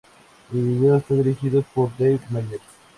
El video está dirigido por Dave Meyers.